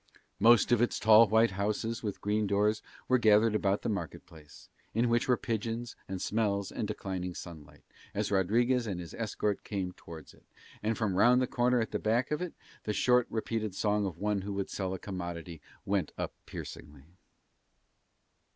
Most of its tall white houses with green doors were gathered about the market place, in which were pigeons and smells and declining sunlight, as Rodriguez and his escort came towards it, and from round a corner at the back of it the short, repeated song of one who would sell a commodity went up piercingly.